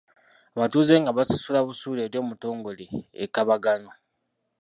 Abatuuze nga basasula busuulu eri Omutongole e Kabaagano.